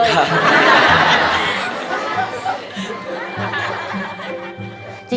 นี่แหละลูก